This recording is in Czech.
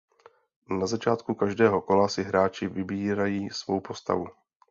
Na začátku každého kola si hráči vybírají svou postavu.